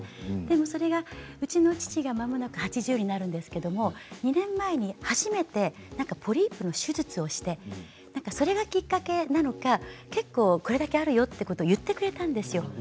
それがうちの父がまもなく８０になるんですけれども、２年前に初めてポリープの手術をしてそれがきっかけなのか結構これだけあるよっていうことを言ってくれたんですよ。